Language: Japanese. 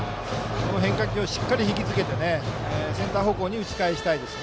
この変化球をしっかり引き付けてセンター方向に打ち返したいです。